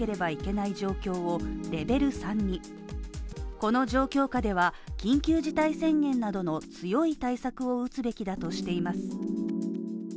この状況下では、緊急事態宣言などの強い対策を打つべきだとしています。